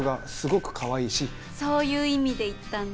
そういう意味で言ったんだ？